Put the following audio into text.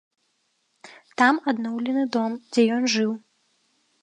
Там адноўлены дом, дзе ён жыў.